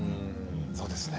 そうですね。